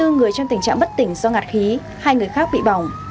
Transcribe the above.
hai mươi người trong tình trạng bất tỉnh do ngạt khí hai người khác bị bỏng